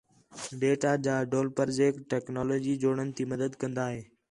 ڈیٹا جا ڈویلپرزیک ٹیکنالوجی جوڑن تی مدد کندا ہِے